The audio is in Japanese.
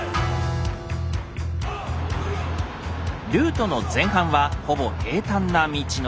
ルートの前半はほぼ平坦な道のり。